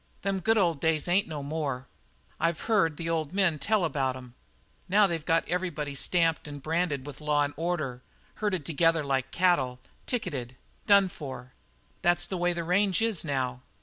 Them good old days ain't no more. I've heard the old man tell about 'em. Now they've got everybody stamped and branded with law an' order, herded together like cattle, ticketed, done for. That's the way the range is now.